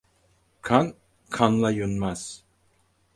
Kan, kanla yunmaz.